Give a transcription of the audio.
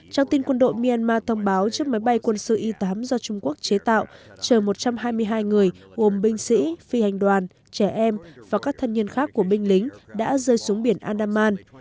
trang tin quân đội myanmar thông báo chiếc máy bay quân sư y tám do trung quốc chế tạo chờ một trăm hai mươi hai người gồm binh sĩ phi hành đoàn trẻ em và các thân nhân khác của binh lính đã rơi xuống biển andaman